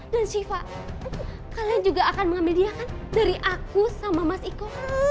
dan syifa kalian juga akan mengambil dia kan dari aku sama mas iko